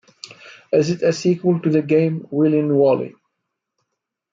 It is a sequel to the game "Wheelin' Wallie".